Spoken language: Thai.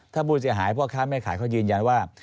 ถ้าผู้เสียหายพ่อค้าแม่ขายเขายืนยันว่า